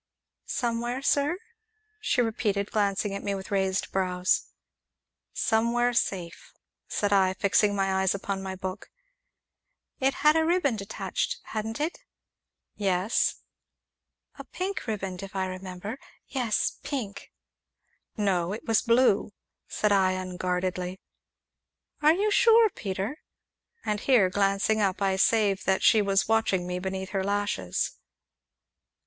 "Somewhere, sir?" she repeated, glancing at me with raised brows. "Somewhere safe," said I, fixing my eyes upon my book. "It had a riband attached, hadn't it?" "Yes." "A pink riband, if I remember yes, pink." "No it was blue!" said I unguardedly. "Are you sure, Peter?" And here, glancing up, I save that she was watching me beneath her lashes.